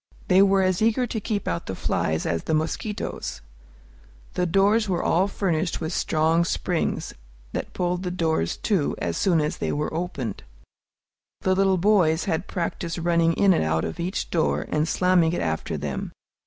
They were as eager to keep out the flies as the mosquitoes. The doors were all furnished with strong springs, that pulled the doors to as soon as they were opened. The little boys had practised running in and out of each door, and slamming it after them.